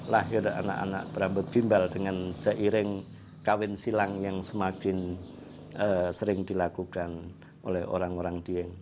lahir anak anak berambut gimbal dengan seiring kawin silang yang semakin sering dilakukan oleh orang orang dieng